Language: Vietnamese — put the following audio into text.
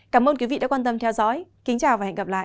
cảm ơn quý vị đã quan tâm theo dõi kính chào và hẹn gặp lại